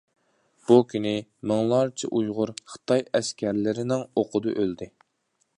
بۇ كۈنى مىڭلارچە ئۇيغۇر خىتاي ئەسكەرلىرىنىڭ ئوقىدا ئۆلدى.